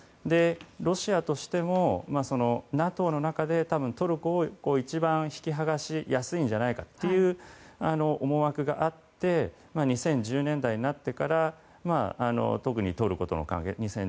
ロシアとしてもＮＡＴＯの中でトルコを一番引きはがしやすいんじゃないかという思惑があって２０１０年代になってから特にトルコとの関係